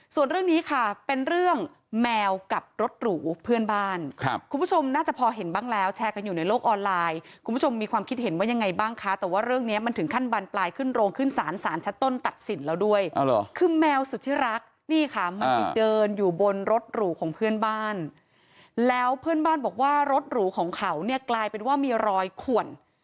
ส่วนเรื่องนี้ค่ะเป็นเรื่องแมวกับรถหรูเพื่อนบ้านครับคุณผู้ชมน่าจะพอเห็นบ้างแล้วแชร์กันอยู่ในโลกออนไลน์คุณผู้ชมมีความคิดเห็นว่ายังไงบ้างคะแต่ว่าเรื่องเนี้ยมันถึงขั้นบานปลายขึ้นโรงขึ้นศาลสารชั้นต้นตัดสินแล้วด้วยคือแมวสุธิรักนี่ค่ะมันไปเดินอยู่บนรถหรูของเพื่อนบ้านแล้วเพื่อนบ้านบอกว่ารถหรูของเขาเนี่ยกลายเป็นว่ามีรอยขวน